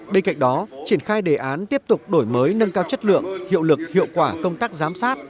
bên cạnh đó triển khai đề án tiếp tục đổi mới nâng cao chất lượng hiệu lực hiệu quả công tác giám sát